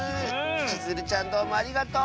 ちづるちゃんどうもありがとう！